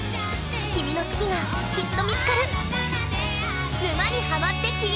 君の「好き」がきっと見つかる！